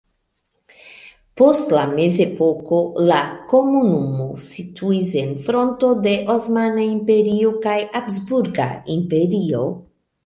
Post la mezepoko la komunumo situis en fronto de Osmana Imperio kaj Habsburga Imperio.